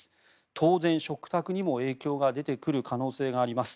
当然、食卓にも影響が出てくる可能性があります。